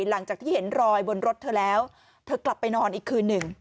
หลังจากที่เห็นรอยบนรถเธอแล้วเธอกลับไปนอนอีกคืนหนึ่ง